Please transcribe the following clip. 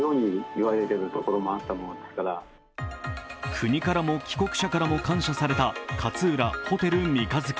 国からも帰国者からも感謝された勝浦ホテル三日月。